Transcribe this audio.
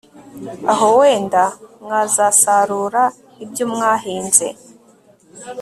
aho wenda mwazasarura ibyo mwahinze